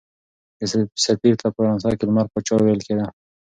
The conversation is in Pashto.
دې سفیر ته په فرانسه کې لمر پاچا ویل کېده.